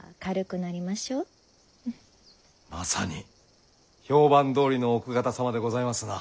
まさに評判どおりの奥方様でございますな。